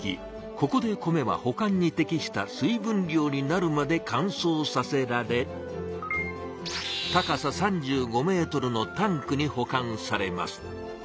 ここで米は保管に適した水分量になるまで乾燥させられ高さ３５ｍのタンクに保管されます。